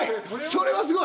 それはすごい。